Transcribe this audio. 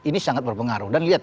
ini sangat berpengaruh